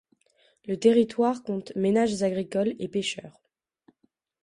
Le territoire compte ménages agricoles, et pêcheurs.